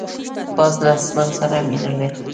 باز له اسمان سره مینه لري